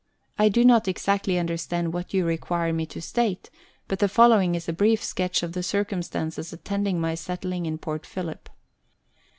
I do not exactly understand what you require me to state, but the following is a brief sketch of the circumstances attending my settling in Port Phillip.